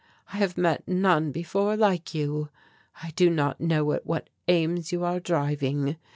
"I have met none before like you. I do not know at what aims you are driving.